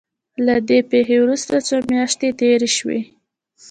له دې پېښې وروسته څو مياشتې تېرې شوې.